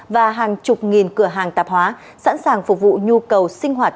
và hàng chục nghìn cửa hàng tạp hóa sẵn sàng phục vụ nhu cầu sinh hoạt